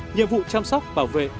nhiệm vụ chăm sóc bảo vệ